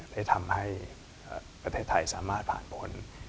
ได้ทำให้ประเทศไทยสามารถผ่านผล